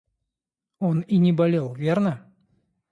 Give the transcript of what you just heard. Он и не болел, верно?